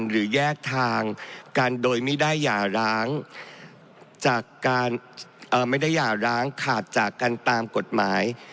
หรือแยกทางกันโดยไม่ได้หย่าร้างขาดจากการตามกฎหมาย